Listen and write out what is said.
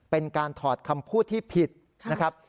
เป็นการถอดคำพูดที่ผิดนะครับ